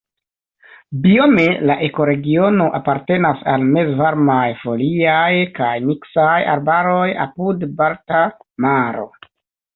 Biome la ekoregiono apartenas al mezvarmaj foliaj kaj miksaj arbaroj apud Balta Maro.